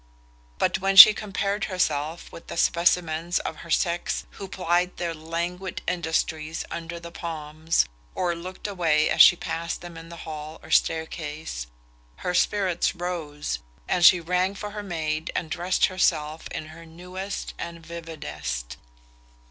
But when she compared herself with the specimens of her sex who plied their languid industries under the palms, or looked away as she passed them in hall or staircase, her spirits rose, and she rang for her maid and dressed herself in her newest and vividest.